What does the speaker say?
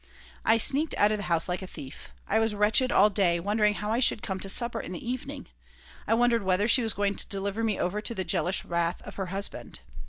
I sneaked out of the house like a thief. I was wretched all day, wondering how I should come to supper in the evening. I wondered whether she was going to deliver me over to the jealous wrath of her husband.